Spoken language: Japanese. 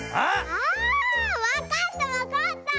あわかったわかった。